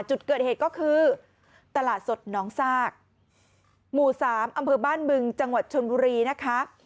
จุดเกิดเหตุก็คือตลาดสดน้องซากหมู่สามอำเภอบ้านบึงจังหวัดชนบุรีนะคะ